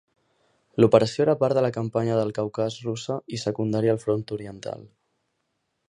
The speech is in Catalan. L'operació era part de la Campanya del Caucas russa i secundària al Front Oriental.